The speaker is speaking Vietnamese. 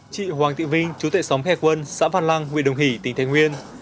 chị hoàng thị vinh chú tệ xóm khe quân xã văn lăng nguyễn đồng hỷ tỉnh thái nguyên